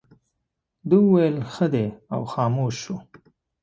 ده وویل ښه دی او خاموش شو.